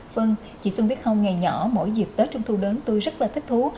vâng chị xuân biết không ngày nhỏ mỗi dịp tết trung thu đến tôi rất là thích thú